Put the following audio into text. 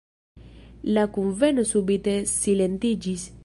La kunveno subite silentiĝis.